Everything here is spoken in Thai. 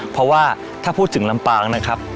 เพราะว่าถ้าพูดถึงลำปางนะครับ